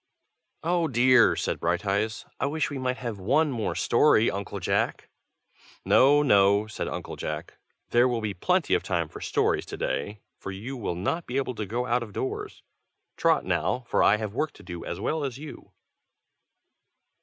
"Oh dear!" said Brighteyes, "I wish we might have one more story, Uncle Jack!" "No! no!" said Uncle Jack. "There will be plenty of time for stories to day, for you will not be able to go out of doors. Trot, now, for I have work to do as well as you."